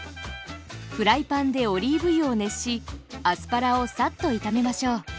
フライパンでオリーブ油を熱しアスパラをサッと炒めましょう。